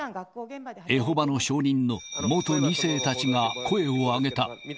エホバの証人の元２世たちが声を上げた。